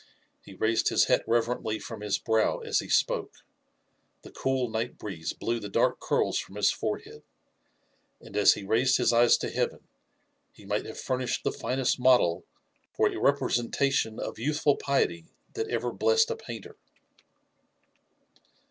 He raised his hat reverently from his brow as he spoke, the cool night breeze blew the dark curls from his forehead, and as he raised his eyes to heaven, he might have furnished the finest model for a representation of youthful piety that ever blessed a painter.